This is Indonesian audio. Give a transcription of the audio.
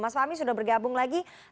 mas fahmi sudah bergabung lagi